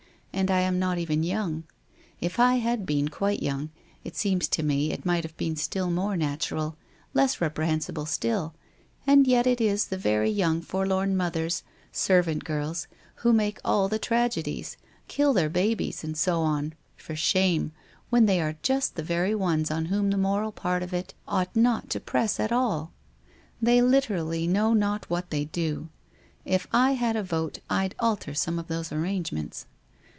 And I am not even young. If I had been quite young, it seems to me it would have been still more natural, less repre hensible still, and yet it is the very young, forlorn mothers — servant girls — who make all the tragedies, kill their babies, and so on, for shame, when they are just the very ones on whom the moral part of it ought not to press at all. They literally know not what they do. If I had a vote I'd alter some of those arrangements.